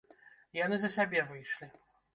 Яны за сябе выйшлі!